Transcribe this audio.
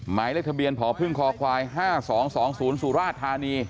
หมายเลขทะเบียนผอพึ่งคอควาย๕๒๒๐สุราชธานี